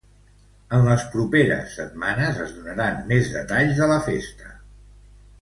En les propers setmanes es donaran més detalls de la festa.